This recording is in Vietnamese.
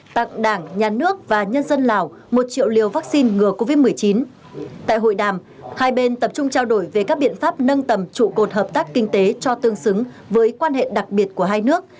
trong trung trao đổi về các biện pháp nâng tầm trụ cột hợp tác kinh tế cho tương xứng với quan hệ đặc biệt của hai nước